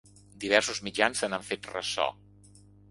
Diversos mitjans se n’han fet ressò.